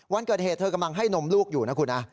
วันเกิดเหตุเธอกำลังให้นมลูกอยู่นะคุณนะ